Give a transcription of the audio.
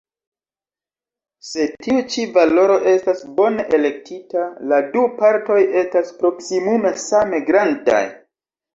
Se tiu ĉi valoro estas bone elektita, la du partoj estas proksimume same grandaj.